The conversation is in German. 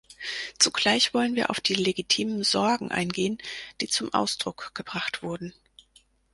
Zugleich wollen wir auf die legitimen Sorgen eingehen, die zum Ausdruck gebracht wurden.